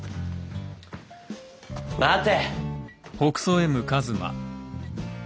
待て！